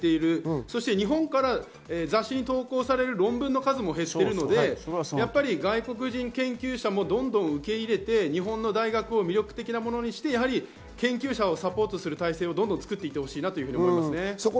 そして日本から雑誌に投稿される論文の数も減っているので外国人研究者もどんどん受け入れて日本の大学を魅力的なものにして、研究者をサポートする体制をどんどん作っていってほしいなと思いますね。